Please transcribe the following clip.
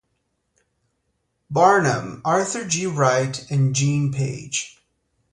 Barnum, Arthur G. Wright and Gene Page.